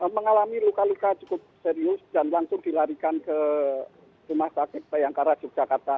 mengalami luka luka cukup serius dan langsung dilarikan ke rumah sakit bayangkara yogyakarta